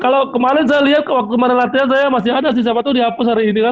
kalau kemarin saya liat waktu kemarin latihan saya masih ada sih siapa tau di hapus hari ini kan